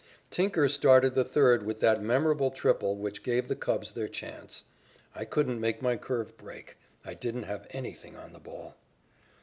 Tinker started the third with that memorable triple which gave the Cubs their chance. I couldn't make my curve break. I didn't have anything on the ball.